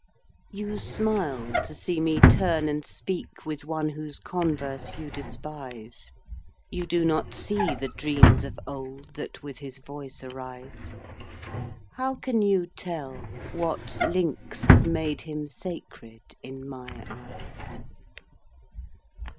You smile to see me turn and speak With one whose converse you despise; You do not see the dreams of old That with his voice arise How can you tell what links have made Him sacred in my eyes?